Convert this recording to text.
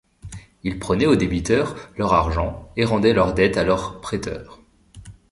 Il prenait aux débiteurs leur argent et rendait leur dette à leurs prêteurs.